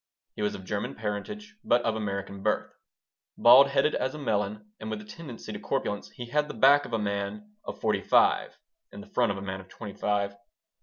He was of German parentage, but of American birth. Bald headed as a melon and with a tendency to corpulence, he had the back of a man of forty five and the front of a man of twenty five.